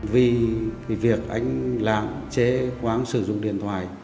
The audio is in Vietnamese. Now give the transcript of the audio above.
vì việc anh lạng chế quang sử dụng điện thoại